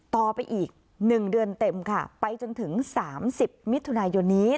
ต่อไปอีกหนึ่งเดือนเต็มค่ะไปจนถึงสามสิบมิถุนายนนี้